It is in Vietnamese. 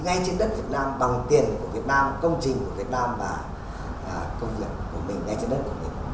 ngay trên đất việt nam bằng tiền của việt nam công trình của việt nam và công nghiệp của mình ngay trên đất của mình